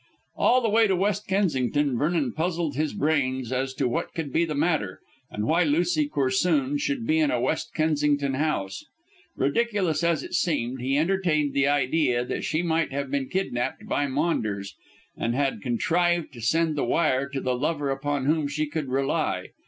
All the way to West Kensington Vernon puzzled his brains as to what could be the matter, and why Lucy Corsoon should be in a West Kensington house. Ridiculous as it seemed, he entertained the idea that she might have been kidnapped by Maunders, and had contrived to send the wire to the lover upon whom she could rely.